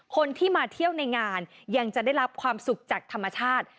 คนที่มาเที่ยวในงานยังจะได้รับความสุขจากธรรมชาติ